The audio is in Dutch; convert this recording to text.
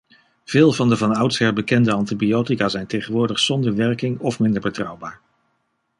Veel van de van oudsher bekende antibiotica zijn tegenwoordig zonder werking of minder betrouwbaar.